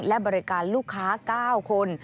และบริการลูกค้า๙คน